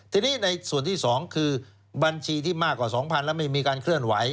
ทีนี้ในส่วนที่๒คือบัญชีที่มากกว่า๒๐๐๐แล้วไม่มีการเคลื่อนไหว